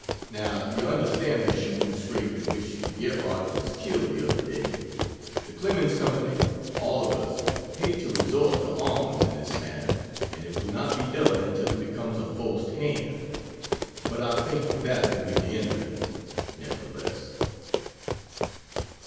Now you understand the shooting scrape in which Gebhart was killed the other day. The Clemens Company all of us hate to resort to arms in this matter, and it will not be done until it becomes a forced hand but I think that will be the end of it, never the less.